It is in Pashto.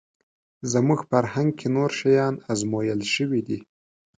زموږ فرهنګ کې نور شیان ازمویل شوي دي